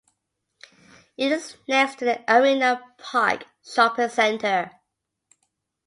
It is next to the Arena Park Shopping Centre.